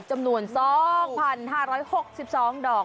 จำนวน๒๕๖๒ดอก